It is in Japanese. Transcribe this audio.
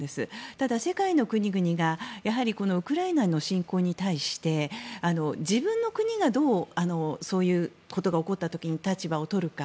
ただ世界の国々がこのウクライナの侵攻に対して自分の国がそういうことが起こった時にどういう立場を取るか。